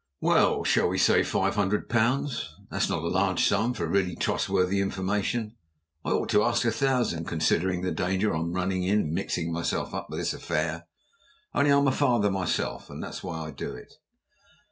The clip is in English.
"Well, shall we say five hundred pounds? That's not a large sum for really trustworthy information. I ought to ask a thousand, considering the danger I'm running in mixing myself up with the affair. Only I'm a father myself, and that's why I do it."